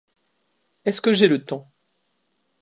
Est-ce que j’ai le temps